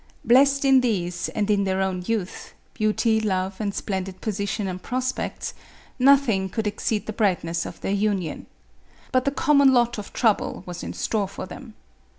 Blessed in these, and in their own youth, beauty, love and splendid position and prospects, nothing could exceed the brightness of their union. But the common lot of trouble was in store for them.